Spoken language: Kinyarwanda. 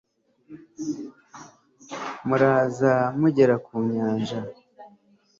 muraza mugera ku nyanja